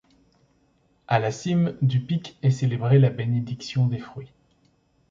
À la cime du pic est célébrée la bénédiction des fruits.